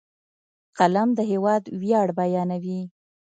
قلم د هېواد ویاړ بیانوي